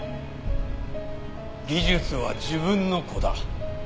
技術は自分の子だ。